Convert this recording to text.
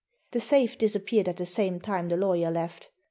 The safe disappeared at the same time the lawyer left.